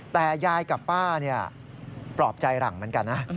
แต่ยายกับป้าปลอบใจหลังเหมือนกันนะ